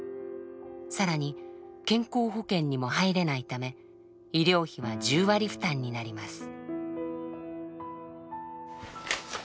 更に健康保険にも入れないため医療費は１０割負担になります。